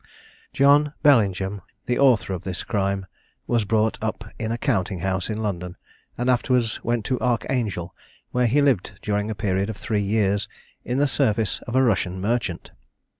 John Bellingham, the author of this crime, was brought up in a counting house in London, and afterwards went to Archangel, where he lived during a period of three years in the service of a Russian merchant.